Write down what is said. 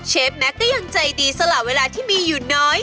แม็กซก็ยังใจดีสละเวลาที่มีอยู่น้อย